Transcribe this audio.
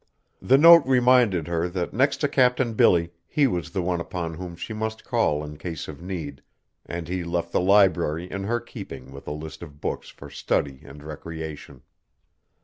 The note reminded her that next to Captain Billy, he was the one upon whom she must call in case of need, and he left the library in her keeping with a list of books for study and recreation.